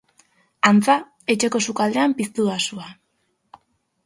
Antza, etxeko sukaldean piztu da sua.